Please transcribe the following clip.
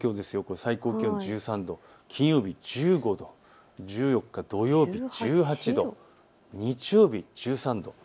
最高気温１３度金曜日１５度、１４日、土曜日１８度、日曜日１３度。